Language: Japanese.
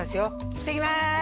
いってきます！